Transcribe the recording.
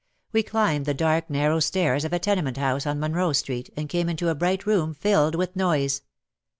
We climbed the dark, narrow stairs of a tenement house on Monroe Street and came into a bright room filled with noise.